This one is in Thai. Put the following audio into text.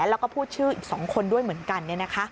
แล้วก็พูดชื่ออีก๒คนด้วยเหมือนกัน